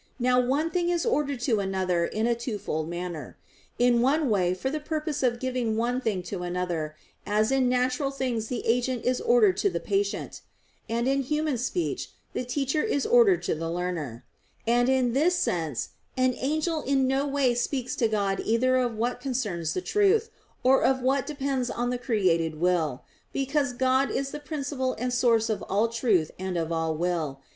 Now one thing is ordered to another in a twofold manner. In one way for the purpose of giving one thing to another, as in natural things the agent is ordered to the patient, and in human speech the teacher is ordered to the learner; and in this sense an angel in no way speaks to God either of what concerns the truth, or of whatever depends on the created will; because God is the principle and source of all truth and of all will.